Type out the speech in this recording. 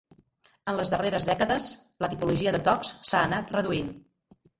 En les darreres dècades, la tipologia de tocs s'ha anat reduint.